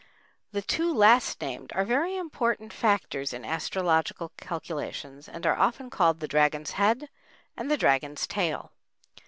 The two last named are very important factors in astrological calculations and are often called the Dragon's Head and the Dragon's Tail.